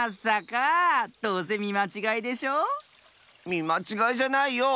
みまちがいじゃないよ。